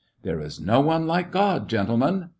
"There is no one like God, gentlemen